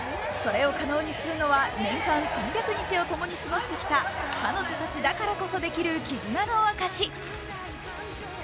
それを可能にするのは年間３００日を共に過ごしてきた彼女たちだからこそできる絆のあかし。